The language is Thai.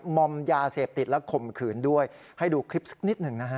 มอมยาเสพติดและข่มขืนด้วยให้ดูคลิปสักนิดหนึ่งนะฮะ